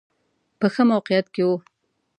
په ښه موقعیت کې و.